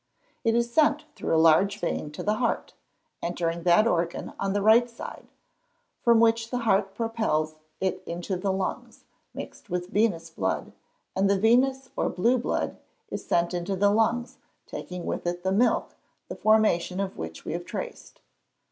_ It is sent through a large vein into the heart, entering that organ on the right side, from which the heart propels it into the lungs, mixed with venous blood; and the venous, or blue blood, is sent into the lungs, taking with it the milk, the formation of which we have traced.